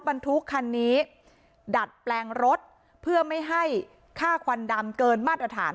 บรรทุกคันนี้ดัดแปลงรถเพื่อไม่ให้ค่าควันดำเกินมาตรฐาน